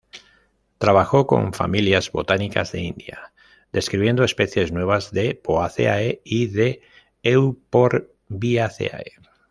Trabajó con familias botánicas de India, describiendo especies nuevas de Poaceae y de Euphorbiaceae.